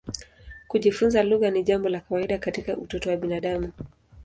Kujifunza lugha ni jambo la kawaida katika utoto wa binadamu.